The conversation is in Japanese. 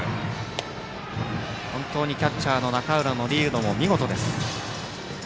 キャッチャーの中浦のリードも見事です。